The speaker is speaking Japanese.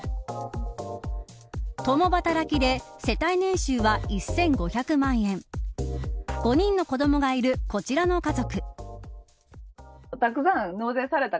共働きで世帯年収は１５００万円５人の子どもがいるこちらの家族。